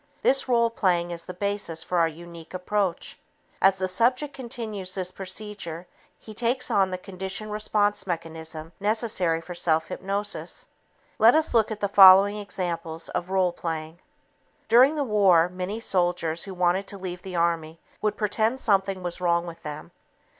This role playing is the basis for our unique approach. As the subject continues this procedure, he takes on the conditioned response mechanism necessary for self hypnosis. Let us look at the following examples of role playing. During the war, many soldiers who wanted to leave the army would pretend something was wrong with them.